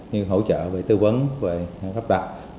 như hỗ trợ về tư vấn về lắp đặt